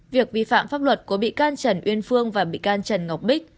việc vi phạm pháp luật của bị can trần uyên phương và bị can trần ngọc bích